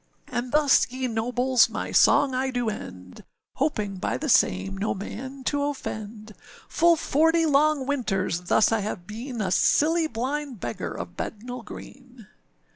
And thus, ye nobles, my song I do end, Hoping by the same no man to offend; Full forty long winters thus I have been, A silly blind beggar of Bednall Green.